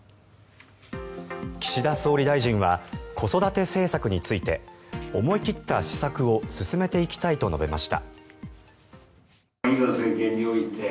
岸田総理大臣は子育て政策について思い切った施策を進めていきたいと述べました。